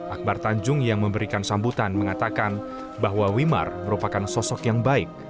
akbar tanjung yang memberikan sambutan mengatakan bahwa wimar merupakan sosok yang baik